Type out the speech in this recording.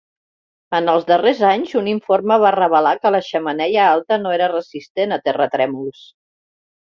En els darrers anys, un informe va revelar que la xemeneia alta no era resistent a terratrèmols.